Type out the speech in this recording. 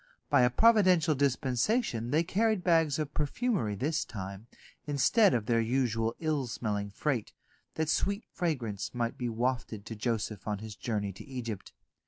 By a providential dispensation they carried bags of perfumery this time, instead of their usual ill smelling freight, that sweet fragrance might be wafted to Joseph on his journey to Egypt.